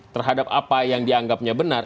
terhadap apa yang dianggapnya benar